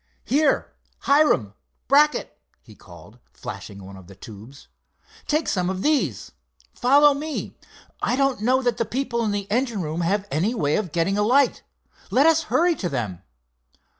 "Here, Hiram, Brackett," he called, flashing one of the tubes. "Take some of these. Follow me. I don't know that the people in the engine rooms have any way of getting a light. Let us hurry to them."